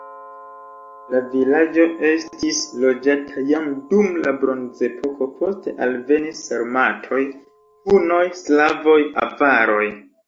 La vilaĝo estis loĝata jam dum la bronzepoko, poste alvenis sarmatoj, hunoj, slavoj, avaroj.